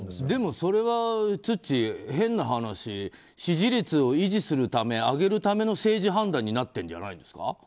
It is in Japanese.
でも、それはツッチー変な話、支持率を維持するため上げるための政治判断になってるんじゃないですか？